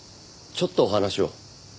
ちょっとお話を。